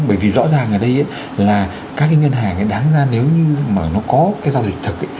bởi vì rõ ràng ở đây là các cái ngân hàng ấy đáng ra nếu như mà nó có cái giao dịch thực